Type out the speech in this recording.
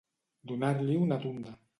Donar-li una tunda.